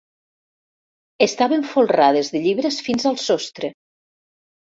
Estaven folrades de llibres fins al sostre.